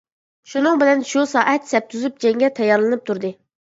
شۇنىڭ بىلەن شۇ سائەت سەپ تۈزۈپ جەڭگە تەييارلىنىپ تۇردى.